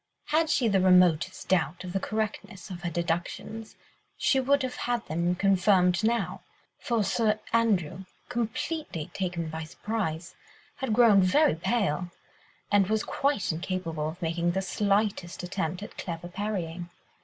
Had she had the remotest doubt of the correctness of her deductions, she would have had them confirmed now, for Sir Andrew, completely taken by surprise, had grown very pale, and was quite incapable of making the slightest attempt at clever parrying.